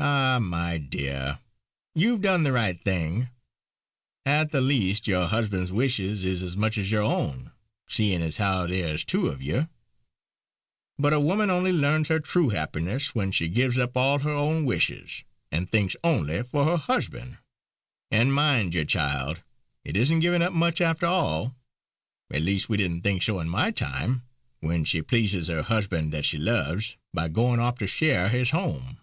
Ah! my dear, you've done the right thing. At the least, your husband's wishes is as much as your own, seein' as how there's two of you. But a woman only learns her true happiness when she gives up all her own wishes, and thinks only for her husband. And, mind you, child, it isn't givin' up much after all at least we didn't think so in my time when she pleases her husband that she loves, by goin' off to share his home."